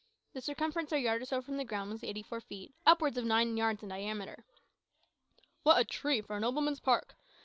The circumference a yard or so from the ground was eighty four feet upwards of nine yards in diameter. "What a tree for a nobleman's park!"